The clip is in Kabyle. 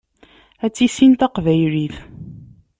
Ad tissin taqbaylit.